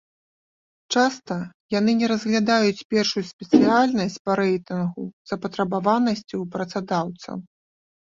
Часта яны не разглядаюць першую спецыяльнасць па рэйтынгу запатрабаванасці ў працадаўцаў.